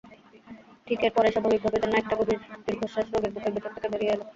ঠিক এর পরেই স্বাভাবিকভাবে যেন একটা গভীর দীর্ঘশ্বাস রোগীর বুকের ভেতর থেকে বেরিয়ে এল।